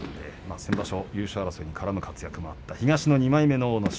先場所優勝争いに絡む活躍もあった東の２枚目の阿武咲。